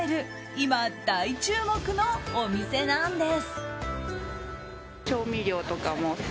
今、大注目のお店なんです。